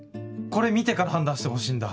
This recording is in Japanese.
これ見てから判断してほしいんだ。